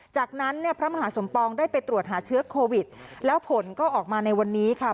จากนั้นเนี่ยพระมหาสมปองได้ไปตรวจหาเชื้อโควิดแล้วผลก็ออกมาในวันนี้ค่ะ